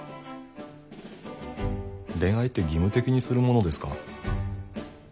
恋愛って義務的にするものですか？